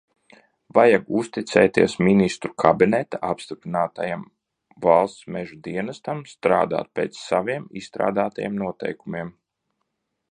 Vajag uzticēties Ministru kabineta apstiprinātajam Valsts meža dienestam, strādāt pēc saviem izstrādātajiem noteikumiem.